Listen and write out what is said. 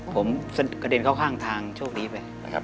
ผมกระเด็นเข้าข้างทางโชคดีไปนะครับ